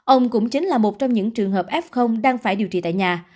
ông cũng chính là một trong những trường hợp f đang phải điều trị tại nhà